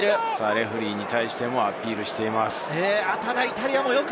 レフェリーに対してもアピールしています。